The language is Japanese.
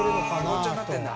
ごっちゃになってるんだ。